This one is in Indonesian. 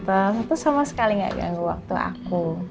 aku sama sekali gak ganggu waktu aku